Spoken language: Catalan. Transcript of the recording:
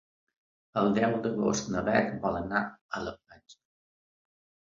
El deu d'agost na Bet vol anar a la platja.